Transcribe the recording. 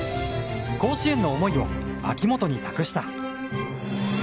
甲子園の思いを秋元に託した。